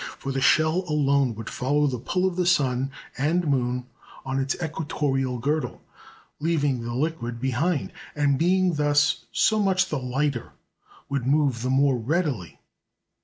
For the shell alone would follow the pull of the sun and moon on its equatorial girdle, leaving the liquid behind; and being thus so much the lighter, would move the more readily.